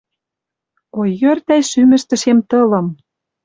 О йӧртӓй шӱмӹштӹшем тылым!..